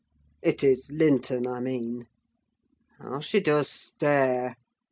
It is Linton, I mean. How she does stare!